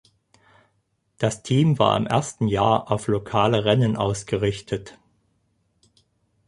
Das Team war im ersten Jahr auf lokale Rennen ausgerichtet.